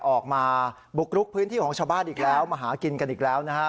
ออกมาบุกรุกพื้นที่ของชาวบ้านอีกแล้วมาหากินกันอีกแล้วนะฮะ